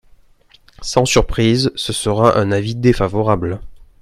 Sans surprise, ce sera un avis défavorable.